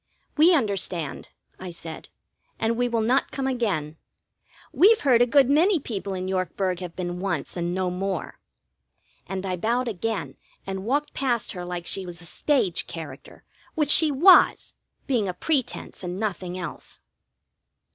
"We understand," I said. "And we will not come again. We've heard a good many people in Yorkburg have been once and no more." And I bowed again and walked past her like she was a stage character, which she was, being a pretence and nothing else.